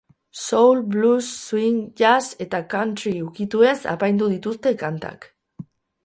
Soul, blues, swing, jazz eta country ukituez apaindu dituzte kantak.